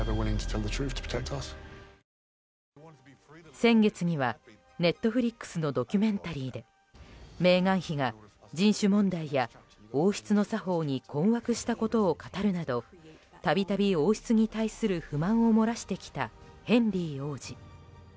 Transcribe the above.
先月にはＮｅｔｆｌｉｘのドキュメンタリーでメーガン妃が人種問題や王室の作法に困惑したことなどを語るなど度々、王室に対する不満を漏らしてきたヘンリー王子。